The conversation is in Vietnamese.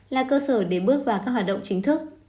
là cơ sở để bước vào các hoạt động chính thức